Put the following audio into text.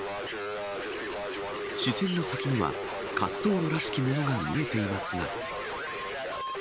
視線の先には滑走路らしきものが見えていますが。